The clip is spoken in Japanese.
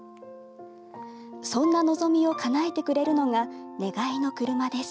そんな望みをかなえてくれるのが願いのくるまです。